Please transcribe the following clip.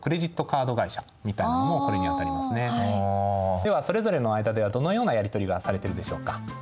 ではそれぞれの間ではどのようなやり取りがされてるでしょうか？